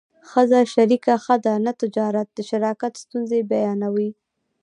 ښځه شریکه ښه ده نه تجارت د شراکت ستونزې بیانوي